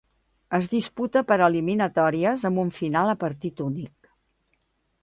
Es disputa per eliminatòries amb una final a partit únic.